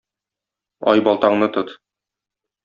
Айбалтаңны тот.